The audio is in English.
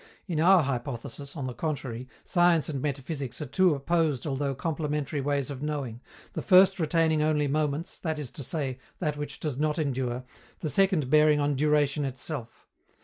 In our hypothesis, on the contrary, science and metaphysics are two opposed although complementary ways of knowing, the first retaining only moments, that is to say, that which does not endure, the second bearing on duration itself.